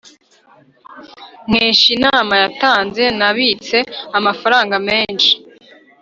nkesha inama yatanze, nabitse amafaranga menshi